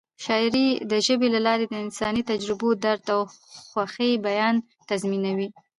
شاعري د ژبې له لارې د انساني تجربو، درد او خوښۍ بیان تضمینوي.